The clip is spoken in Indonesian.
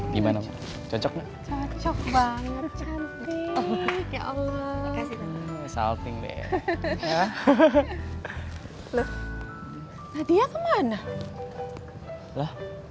gimana cocok banget cantik ya allah salting bebek nadia kemana